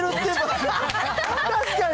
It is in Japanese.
確かに。